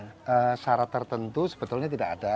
nah syarat tertentu sebetulnya tidak ada